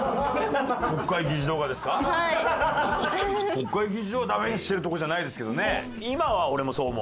国会議事堂はダメにしてるとこじゃないですけどね。